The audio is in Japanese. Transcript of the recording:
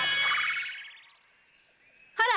ほら！